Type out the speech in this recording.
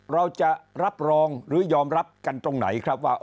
เราจะรับรองหรือยอมรับกันตรงไหนครับว่า